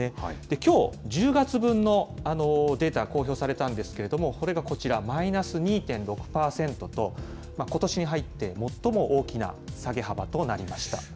きょう、１０月分のデータ、公表されたんですけれども、それがこちら、マイナス２．６％と、ことしに入って最も大きな下げ幅となりました。